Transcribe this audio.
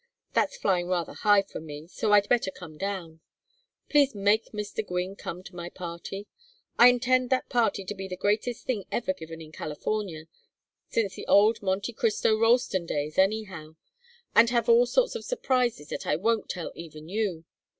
That's flying rather high for me, so I'd better come down. Please make Mr. Gwynne come to my party. I intend that party to be the greatest thing ever given in California since the old Monte Cristo Ralston days, anyhow: and have all sorts of surprises that I won't tell even you.